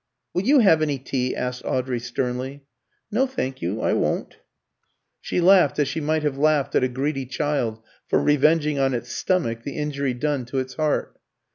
"Will you have any tea?" asked Audrey, sternly. "No, thank you, I won't." She laughed, as she might have laughed at a greedy child for revenging on its stomach the injury done to its heart.